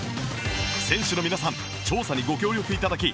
選手の皆さん調査にご協力頂き